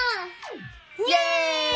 イエーイ！